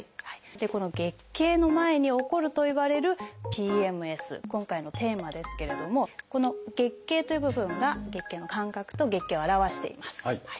この月経の前に起こるといわれる「ＰＭＳ」今回のテーマですけれどもこの「月経」という部分が月経の間隔と月経を表しています。